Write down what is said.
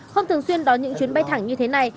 không thường xuyên đón những chuyến bay thẳng như thế này